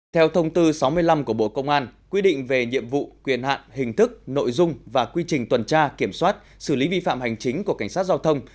theo thông tư sáu mươi năm của bộ công an quy định về nhiệm vụ quyền hạn hình thức nội dung và quy trình tuần tra kiểm soát xử lý vi phạm hành chính của cảnh sát giao thông